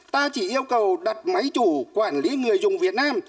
ta chỉ yêu cầu đặt máy chủ quản lý người dùng việt nam